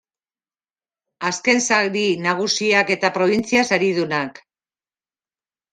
Azken sari nagusiak eta probintzia saridunak.